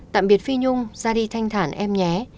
tạm biệt phi nhung ra đi thanh thản em nhé